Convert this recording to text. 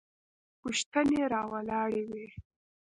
پوښتنې راولاړوي.